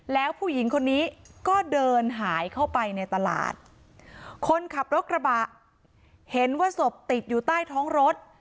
แล้วผู้หญิงคนนี้ก็เดินหายเข้าไปในตลาดคนขับรถกระบะเห็นว่าศพติดอยู่ใต้ท้องรถ